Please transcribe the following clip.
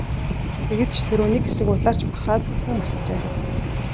Тэгээд ч тэр үү, нэг хэсэг улайрч махраад бүхнийг мартжээ.